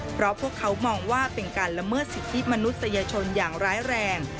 เพราะพวกเขามองว่าเป็นการละเมิดสิทธิมนุษยชนอย่างร้ายแรง